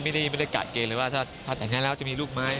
ไม่ได้การเกณฑ์เลยว่าถ้าแต่งงานแล้วจะมีลูกมั้ย